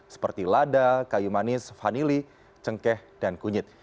seperti lada kayu manis vanili cengkeh dan kunyit